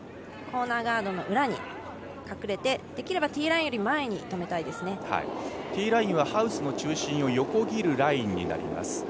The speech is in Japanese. コーナーガードの裏に隠れてできればティーラインより前にティーラインはハウスの中心を横切るラインになります。